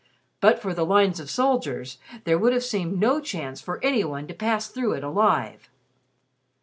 But for the lines of soldiers, there would have seemed no chance for any one to pass through it alive.